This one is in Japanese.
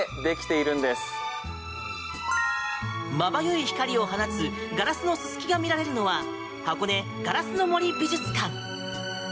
まばゆい光を放つガラスのススキが見られるのは箱根ガラスの森美術館。